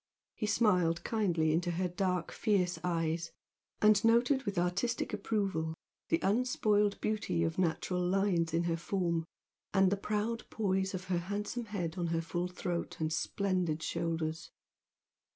He smiled kindly into her dark fierce eyes, and noted with artistic approval the unspoiled beauty of natural lines in her form, and the proud poise of her handsome head on her full throat and splendid shoulders.